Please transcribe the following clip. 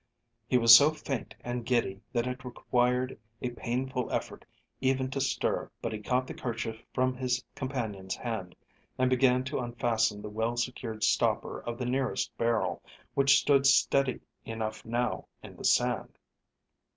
He was so faint and giddy that it required a painful effort even to stir, but he caught the kerchief from his companion's hand and began to unfasten the well secured stopper of the nearest barrel, which stood steady enough now in the sand.